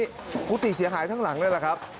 ขนาดนี้กุฏิเสียหายทั้งหลังด้วยล่ะครับ